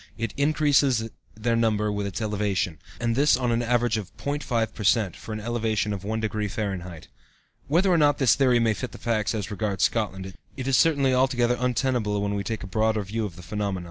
It increases their number with its elevation, and this on an average of 0.5 per cent, for an elevation of 1° F." Whether or not this theory may fit the facts as regards Scotland, it is certainly altogether untenable when we take a broader view of the phenomena.